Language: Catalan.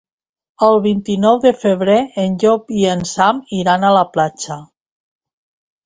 El vint-i-nou de febrer en Llop i en Sam iran a la platja.